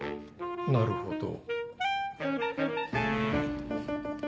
なるほど。